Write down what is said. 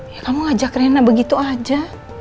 ya kamu ngajak rena begitu aja